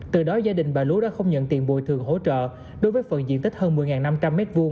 từ đó gia đình và lưu đã không nhận tiền bùi thường hỗ trợ đối với phần diện tích hơn một mươi năm trăm linh m hai